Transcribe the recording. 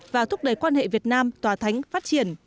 và thúc đẩy quan hệ việt nam tòa thánh phát triển